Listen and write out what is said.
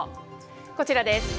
こちらです。